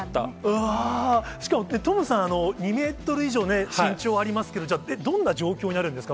しかもトムさん、２メートル以上、身長ありますけど、どんな状況にあるんですか？